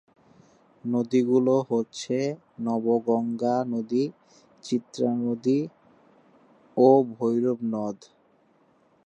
নদীগুলো হচ্ছে নবগঙ্গা নদী, চিত্রা নদী ও ভৈরব নদ।